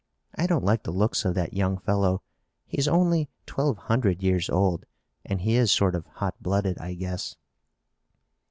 I don't like the looks of that young fellow. He's only twelve hundred years old and he is sort of hot blooded, I guess."